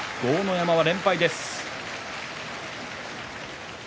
山は連敗です。